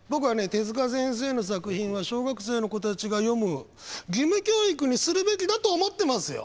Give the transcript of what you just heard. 手先生の作品は小学生の子たちが読む義務教育にするべきだと思ってますよ。